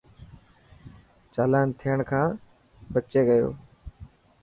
چالان ٿيڻ کان بچي گيو.